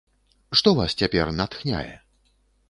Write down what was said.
Што вас цяпер натхняе?